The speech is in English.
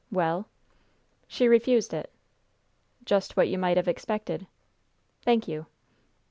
"Well?" "She refused it." "Just what you might have expected." "Thank you."